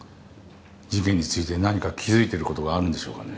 事件について何か気づいてることがあるんでしょうかね。